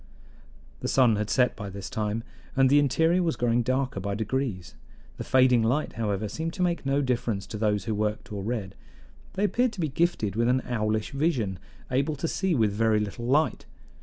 The sun had set by this time, and the interior was growing darker by degrees; the fading light, however, seemed to make no difference to those who worked or read. They appeared to be gifted with an owlish vision, able to see with very little light.